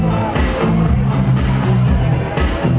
ไม่ต้องถามไม่ต้องถาม